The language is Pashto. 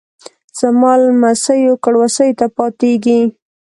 زما لمسیو کړوسیو ته پاتیږي